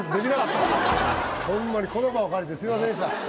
ホンマにこの場を借りてすいませんでした。